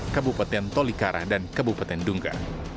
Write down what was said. kabupaten tolikara dan kabupaten dungga